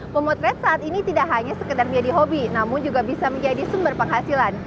memotret saat ini tidak hanya sekedar menjadi hobi namun juga bisa menjadi sumber penghasilan